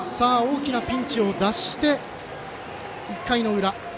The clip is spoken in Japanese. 大きなピンチを脱して１回の裏。